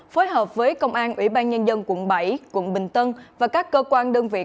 phối hợp với công an ủy ban nhân dân quận bảy quận bình tân và các cơ quan đơn vị